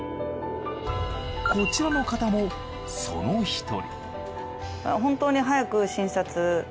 こちらの方もその１人